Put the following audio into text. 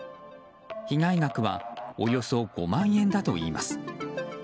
被害額はおよそ５万円だといいます。